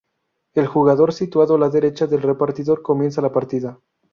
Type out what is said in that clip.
El jugador situado a la derecha del repartidor comienza la partida.